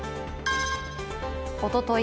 おととい